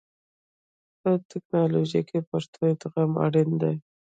په ټکنالوژي کې پښتو ادغام اړین دی.